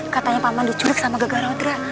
katanya paman diculik sama gegara utra